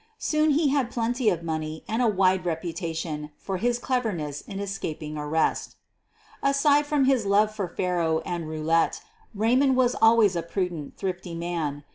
Soon he had plenty of money and a wide reputation for his cleverness in escap ing arrest Aside from his love for faro and roulette, Ray mond was always a prudent, thrifty man.